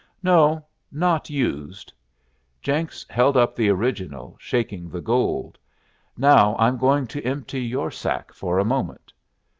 "No; not used." Jenks held up the original, shaking the gold. "Now I'm going to empty your sack for a moment."